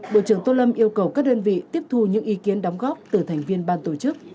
bộ trưởng tô lâm yêu cầu các đơn vị tiếp thu những ý kiến đóng góp từ thành viên ban tổ chức